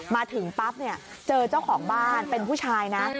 มาถึงปั๊บเนี่ยเจอเจ้าของบ้านเป็นผู้ชายนะ